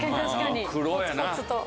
黒やな。